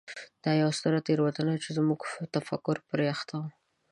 دا یوه ستره تېروتنه وه چې زموږ تفکر پرې اخته و.